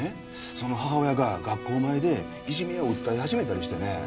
その母親が学校前でいじめを訴え始めたりしてね。